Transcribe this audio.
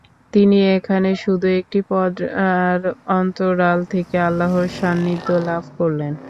তিনি এখানে শুধু একটি পর্দার অন্তরাল থেকে আল্লাহর সান্নিধ্য লাভ করলেন।